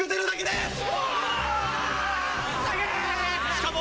しかも。